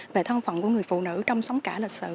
về thân phận của người phụ nữ trong sóng cả lịch sử